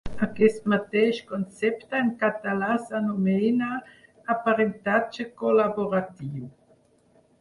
Aquest mateix concepte en català s'anomena: aprenentatge col·laboratiu.